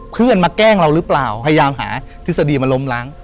เพื่อนมาแกล้งเราหรือเปล่าพยายามหาทฤษฎีมาล้มล้าง